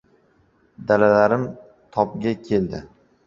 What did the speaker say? Dalalarim tobga keldi.